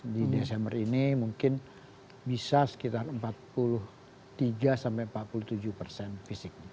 di desember ini mungkin bisa sekitar empat puluh tiga sampai empat puluh tujuh persen fisiknya